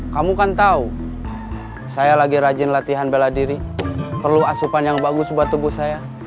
kamu kan tahu saya lagi rajin latihan bela diri perlu asupan yang bagus buat tubuh saya